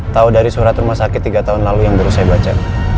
tahu dari surat rumah sakit tiga tahun lalu yang baru saya baca